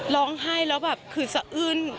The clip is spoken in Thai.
ร้องไห้แล้วแบบคือสะอึ้น